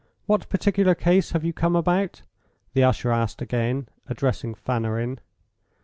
"What particular case have you come about?" the usher asked again, addressing Fanarin.